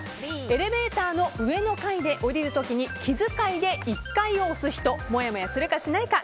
エレベーターの上の階で降りる時に気遣いで１階を押す人もやもやするか、しないか